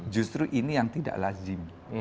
justru ini yang tidak lazim